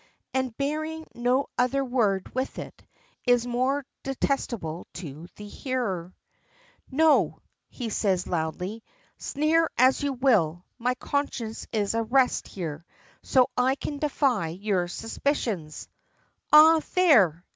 And, bearing no other word with it is the more detestable to the hearer. "No," says he loudly. "Sneer as you will my conscience is at rest there, so I can defy your suspicions." "Ah! there!"